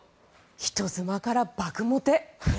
人妻から爆モテ。